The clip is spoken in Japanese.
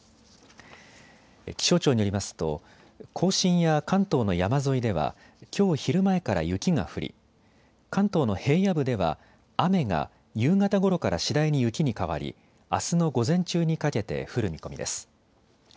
気象庁によりますと甲信や関東の山沿いではきょう昼前から雪が降り関東の平野部では雨が夕方ごろから次第に雪に変わりあすの午前中にかけて降る見込みです。